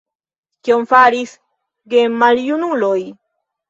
Kion faris gemaljunuloj?